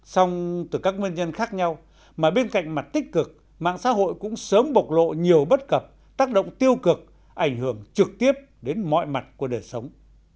xong từ các nguyên nhân khác nhau mà bên cạnh mặt tích cực mạng xã hội cũng sớm bộc lộ nhiều bất cập tác động tiêu cực ảnh hưởng trực tiếp đến mọi mặt của đời sống